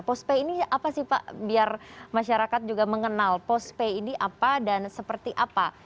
postpay ini apa sih pak biar masyarakat juga mengenal postpay ini apa dan seperti apa